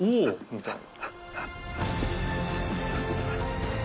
みたいな。